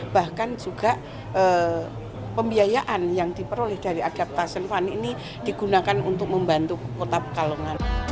bahkan juga pembiayaan yang diperoleh dari adaptation fund ini digunakan untuk membantu kota pekalongan